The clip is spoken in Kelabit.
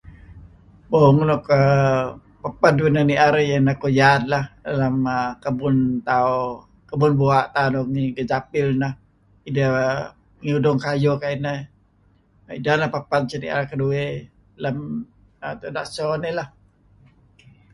Mo nuk paped uh neh nier iyeh neh Kuyad lah lem kebun tauh bua' tauh ngi Japil neh. Ideh ngi udung kayuh kayu' ineh. Ideh neh paped sinier keduih lem tuda so nih lah.